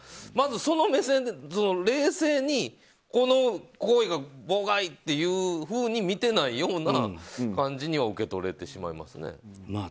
まずその目線で冷静にこの行為は妨害というふうに見てないような感じには受け取れてしまいますね。